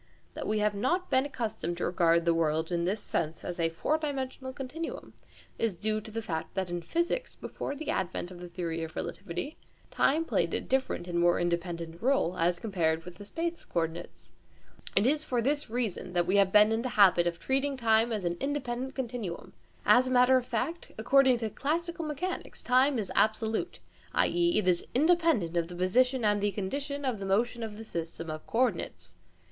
That we have not been accustomed to regard the world in this sense as a four dimensional continuum is due to the fact that in physics, before the advent of the theory of relativity, time played a different and more independent role, as compared with the space coordinates. It is for this reason that we have been in the habit of treating time as an independent continuum. As a matter of fact, according to classical mechanics, time is absolute, i.e. it is independent of the position and the condition of motion of the system of co ordinates.